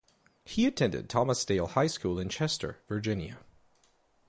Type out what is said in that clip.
He attended Thomas Dale High School in Chester, Virginia.